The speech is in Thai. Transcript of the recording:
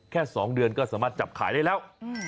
๒เดือนก็สามารถจับขายได้แล้ว